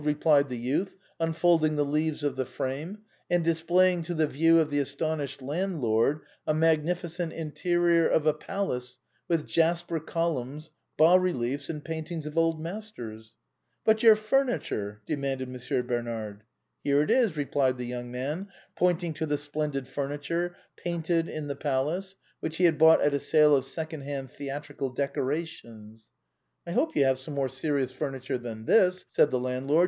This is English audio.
" replied the youth, unfolding the leaves of the frame, and displaying to the view of the astonished landlord a magnificent interior of a palace, with jasper columns, bas reliefs, and paintings of old masters. " But your furniture ?" demanded Monsieur Bernard. " Here it is," replied the young man, pointing to the splendid furniture painted in the palace, which he had bought at a sale of second hand theatrical decorations. " I hope you have some more serious furniture than this," said the landlord.